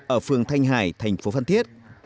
ở phường thanh hải thành phố phân thiết